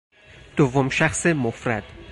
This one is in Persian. دوم شخص مفرد